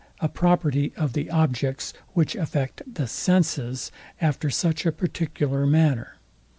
a property of the objects, which affect the SENSES after such a particular manner.